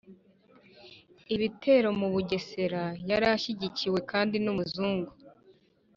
ibitero mu Bugesera Yari ashyigikiwe kandi n umuzungu